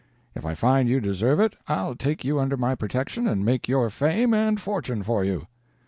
If I find you deserve it I'll take you under my protection and make your fame and fortune for you."